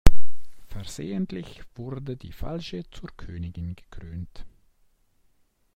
Versehentlich wurde die Falsche zur Königin gekrönt.